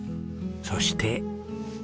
そして。